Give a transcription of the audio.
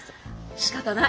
しかたない。